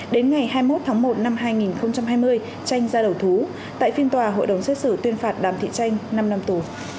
đến ngày hai mươi một tháng một năm hai nghìn hai mươi tranh ra đầu thú tại phiên tòa hội đồng xét xử tuyên phạt đàm thị tranh năm năm tù